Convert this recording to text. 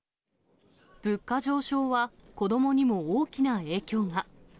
物価上昇は、子どもにも大きな影響が。